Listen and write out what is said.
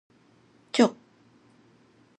足